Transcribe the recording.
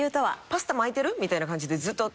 パスタ巻いてる？みたいな感じでずっと。